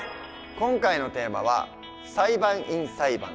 今回のテーマは「裁判員裁判」。